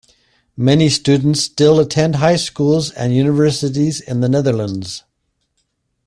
Many students still attend high schools and universities in the Netherlands.